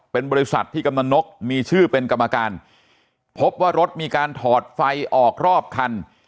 เป็นบริษัทที่กำลังนกมีชื่อเป็นกรรมการพบว่ารถมีการถอดไฟออกรอบคัน